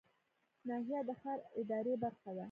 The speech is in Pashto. ناحیه د ښار اداري برخه ده